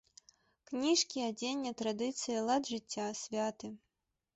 Кніжкі, адзенне, традыцыі, лад жыцця, святы.